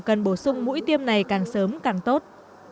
cần bổ sung mũi tiêm này càng sớm càng tốt